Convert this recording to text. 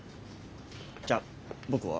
じゃあ僕は。